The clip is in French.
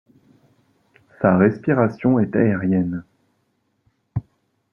Sa respiration est aérienne.